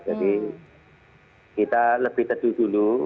jadi kita lebih teduh dulu